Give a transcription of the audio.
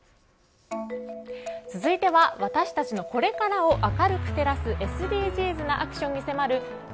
続いては私たちのこれからを明るく照らすＳＤＧｓなアクションに迫る＃